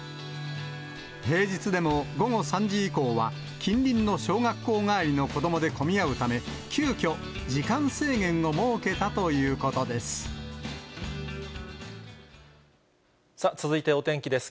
平日でも午後３時以降は、近隣の小学校帰りの子どもで混み合うため、急きょ、時間制限を設さあ、続いてお天気です。